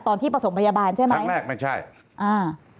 ตอนที่ประถมพยาบาลใช่ไหมครั้งแรกไม่ใช่อ่า